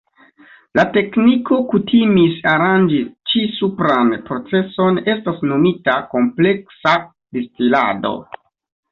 La tekniko kutimis aranĝi ĉi-supran proceson estas nomita kompleksa distilado.